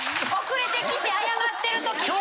遅れてきて謝ってるときに。